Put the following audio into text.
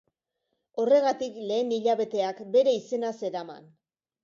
Horregatik, lehen hilabeteak, bere izena zeraman.